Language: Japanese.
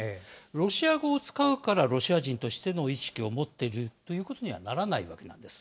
ロシア語を使うからロシア人としての意識を持っているということにはならないわけなんです。